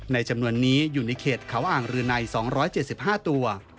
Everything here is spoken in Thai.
จำนวนนี้อยู่ในเขตเขาอ่างรืนัย๒๗๕ตัว